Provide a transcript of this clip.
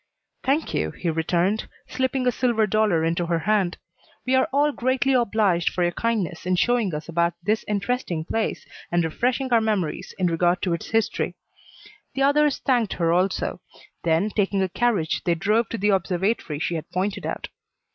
"Thank you," he returned, slipping a silver dollar into her hand. "We are all greatly obliged for your kindness in showing us about this interesting place and refreshing our memories in regard to its history." The others thanked her also; then taking a carriage they drove to the observatory she had pointed out.